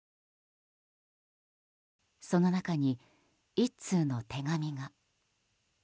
その中に、１通の手紙が。